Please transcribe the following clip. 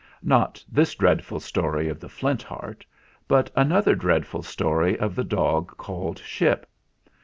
Not this dreadful story of the Flint Heart, but an other dreadful story of the dog called Ship.